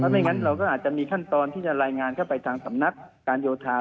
ไม่งั้นเราก็อาจจะมีขั้นตอนที่จะรายงานเข้าไปทางสำนักการโยธา